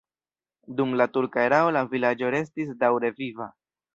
Dum la turka erao la vilaĝo restis daŭre viva.